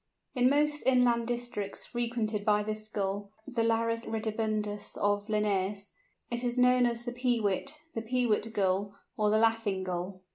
In most inland districts frequented by this Gull (the Larus ridibundus of Linnæus) it is known as the "Peewit," the "Peewit Gull," or the "Laughing Gull."